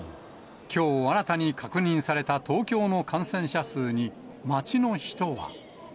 きょう新たに確認された東京の感染者数に、街の人は。